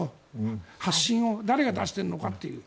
発信を誰が出しているのかという。